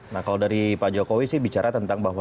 nah kalau dari pak jokowi sih bicara tentang bahwa